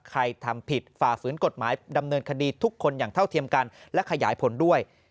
ทำผิดฝ่าฝืนกฎหมายดำเนินคดีทุกคนอย่างเท่าเทียมกันและขยายผลด้วย